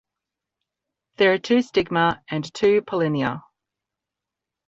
There are two stigma and two pollinia.